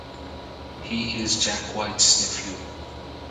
He is Jack White's nephew.